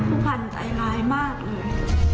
ผู้พันธ์ใจร้ายมากเลย